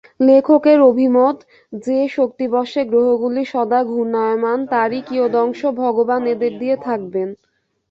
লেখকের অভিমত, যে শক্তিবশে গ্রহগুলি সদা ঘূর্ণায়মান তারই কিয়দংশ ভগবান এদের দিয়ে থাকবেন।